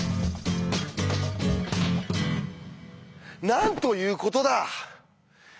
なんということだ！